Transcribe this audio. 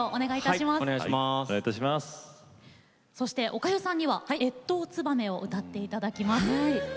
おかゆさんには「越冬つばめ」を歌っていただきます。